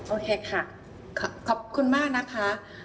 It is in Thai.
โอเคค่ะขอบคุณมากนะคะ